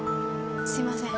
すいません。